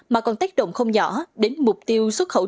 mà còn tác động không nhỏ đến mục tiêu xuất khẩu